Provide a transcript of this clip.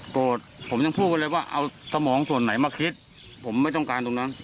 ผมยังพูดกันเลยว่าเอาสมองส่วนไหนมาคิดผมไม่ต้องการตรงนั้น